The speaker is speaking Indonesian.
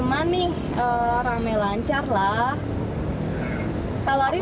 aman nih rame lancar lah